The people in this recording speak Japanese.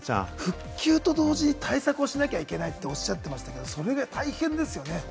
復旧と同時に対策をしなければいけないとおっしゃってましたけれど、大変ですよね。